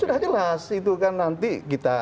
sudah jelas itu kan nanti kita